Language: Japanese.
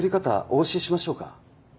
お教えしましょうか？